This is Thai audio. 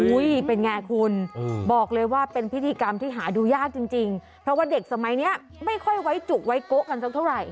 เป็นไงคุณบอกเลยว่าเป็นพิธีกรรมที่หาดูยากจริงเพราะว่าเด็กสมัยนี้ไม่ค่อยไว้จุไว้โกะกันสักเท่าไหร่